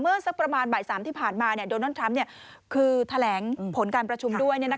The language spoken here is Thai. สักประมาณบ่าย๓ที่ผ่านมาโดนัลด์ทรัมป์คือแถลงผลการประชุมด้วย